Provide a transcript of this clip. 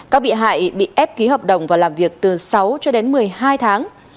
các bị hại bị ép ký hợp đồng và làm việc từ sáu cho đến một mươi hai tháng